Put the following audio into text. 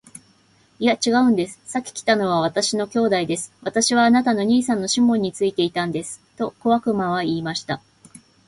「いや、ちがうんです。先来たのは私の兄弟です。私はあなたの兄さんのシモンについていたんです。」と小悪魔は言いました。